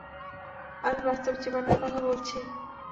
আমি বাস্তব জীবনের কথা বলছি।